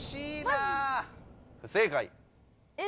不正解！